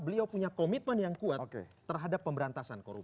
beliau punya komitmen yang kuat terhadap pemberantasan korupsi